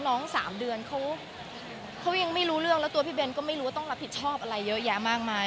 สามเดือนเขายังไม่รู้เรื่องแล้วตัวพี่เบนก็ไม่รู้ว่าต้องรับผิดชอบอะไรเยอะแยะมากมาย